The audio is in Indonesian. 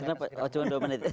kenapa cuma dua menit